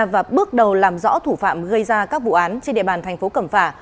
và bước đầu làm rõ thủ phạm gây ra các vụ án trên địa bàn thành phố cẩm phả